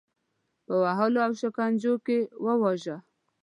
په وهلو او شکنجو کې وواژه.